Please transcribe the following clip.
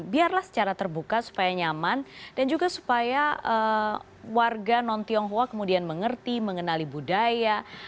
biarlah secara terbuka supaya nyaman dan juga supaya warga non tionghoa kemudian mengerti mengenali budaya